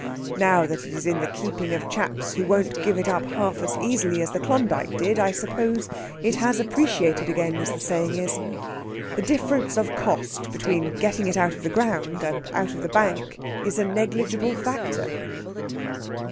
Now that it is in the keeping of chaps who won't give it up half as easily as the Klondyke did, I suppose it has appreciated again, as the saying is. The difference of cost between getting it out of the ground and out of the bank is a negligible factor...."